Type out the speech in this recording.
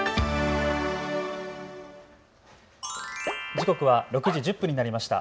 時刻は６時１０分になりました。